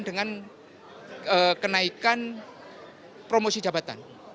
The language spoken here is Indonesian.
dengan kenaikan promosi jabatan